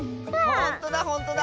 ほんとだほんとだ！